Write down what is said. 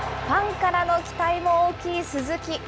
ファンからの期待も大きい鈴木。